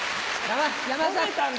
山田さん。